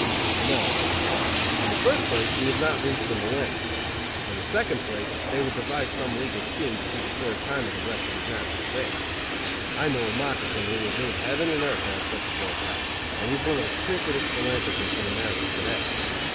"No," I replied. "In the first place we have not reached the millennium. In the second place they would devise some legal scheme to keep a third timer the rest of his natural days. I know a moccasin who would move heaven and earth to have such a bill passed, and he is one of the crookedest philanthropists in America to day.